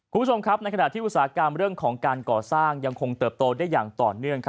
คุณผู้ชมครับในขณะที่อุตสาหกรรมเรื่องของการก่อสร้างยังคงเติบโตได้อย่างต่อเนื่อง